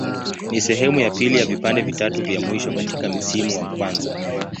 Ni sehemu ya pili ya vipande vitatu vya mwisho katika msimu wa kwanza.